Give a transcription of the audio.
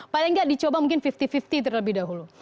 paling nggak dicoba mungkin lima puluh lima puluh terlebih dahulu